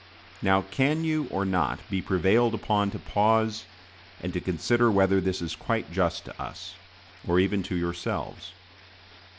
Now can you or not be prevailed upon to pause and to consider whether this is quite just to us, or even to yourselves?